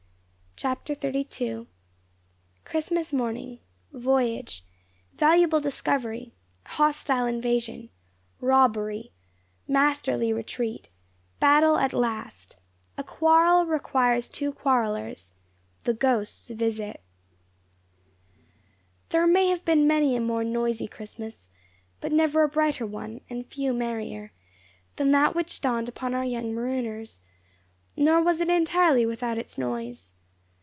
CHAPTER XXXII CHRISTMAS MORNING VOYAGE VALUABLE DISCOVERY HOSTILE INVASION ROBBERY MASTERLY RETREAT BATTLE AT LAST A QUARREL REQUIRES TWO QUARRELLERS THE GHOST'S VISIT There may have been many a more noisy Christmas, but never a brighter one, and few merrier, than that which dawned upon our young marooners; nor was it entirely without its noise.